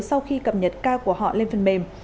sau khi cập nhật ca của họ lên phần mềm